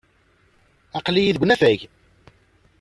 Aql-iyi deg unafag.